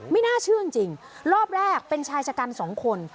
ไม่น่าเชื่อจริงรอบแรกเป็นชายชะกันสองคน